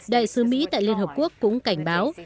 đại sứ mỹ tại liên hợp quốc cũng cảnh báo